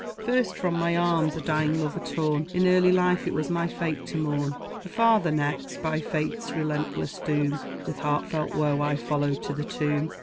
First from my arms a dying lover torn, In early life it was my fate to mourn. A father next, by fate's relentless doom, With heartfelt woe I followed to the tomb.